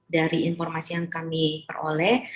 dari informasi yang kami peroleh